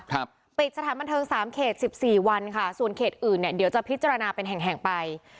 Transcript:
ปิดสถานบันเทิงสามเขตสิบสี่วันค่ะส่วนเขตอื่นเนี้ยเดี๋ยวจะพิจารณาเป็นแห่งแห่งไป